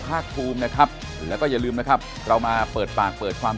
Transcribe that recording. ภาคภูมินะครับแล้วก็อย่าลืมนะครับเรามาเปิดปากเปิดความ